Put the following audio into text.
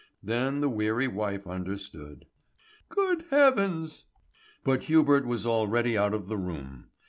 Then the weary wife understood. "Good heavens " But Hubert was already out of the room.